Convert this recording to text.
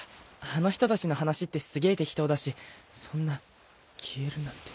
あの人たちの話ってすげえ適当だしそんな消えるなんて。